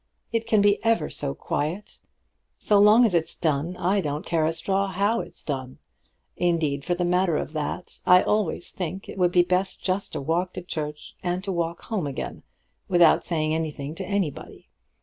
It can be ever so quiet. So long as it's done, I don't care a straw how it's done. Indeed, for the matter of that, I always think it would be best just to walk to church and to walk home again without saying anything to anybody.